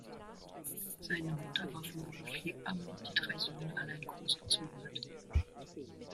Seine Mutter war von Beruf Hebamme, die drei Söhne allein großgezogen hat.